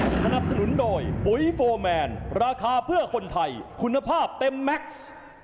สนับสนุนโดยปุ๋ยโฟร์แมนราคาเพื่อคนไทยคุณภาพเต็มแม็กซ์